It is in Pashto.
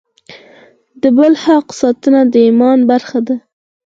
د بل حق ساتنه د ایمان برخه ده.